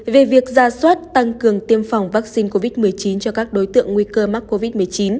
về việc ra soát tăng cường tiêm phòng vaccine covid một mươi chín cho các đối tượng nguy cơ mắc covid một mươi chín